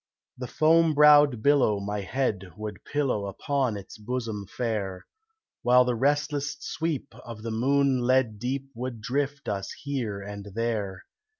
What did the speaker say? The foam browed billow my head would pillow Upon its bosom fair, While the restless sweep of the moon led deep Would drift us here and there.